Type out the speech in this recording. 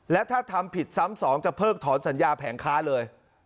และถ้าทำผิดซ้ำสองจะเพิกถอนสัญญาแผงค้าเลย